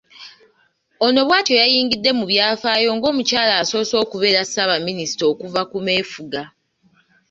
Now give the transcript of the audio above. Ono bw’atyo yayingidde mu byafaayo ng’omukyala asoose okubeera Ssaabaminisita okuva ku meefuga